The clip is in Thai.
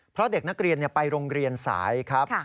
เพราะเด็กนักเรียนไปโรงเรียนสายครับ